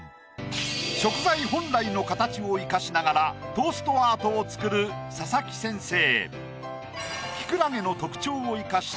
食材本来の形を生かしながらトーストアートを作る佐々木先生。